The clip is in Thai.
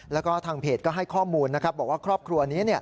แล้วก็ทางเพจก็ให้ข้อมูลนะครับบอกว่าครอบครัวนี้